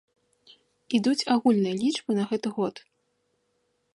Ідуць агульныя лічбы на гэты год.